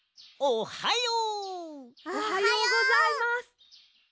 おはよう！おはようございます！